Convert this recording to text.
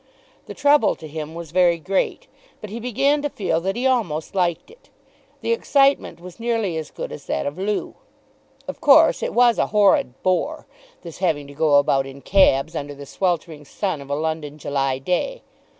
The trouble to him was very great, but he began to feel that he almost liked it. The excitement was nearly as good as that of loo. Of course it was a "horrid bore," this having to go about in cabs under the sweltering sun of a London July day.